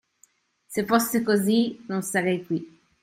Se fosse così non sarei qui.